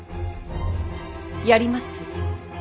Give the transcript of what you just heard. やります。